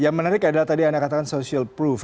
yang menarik adalah tadi anda katakan social proof